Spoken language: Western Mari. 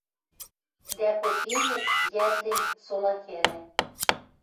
Дӓ попенӹт, йӓтлен, сола хӓлӓ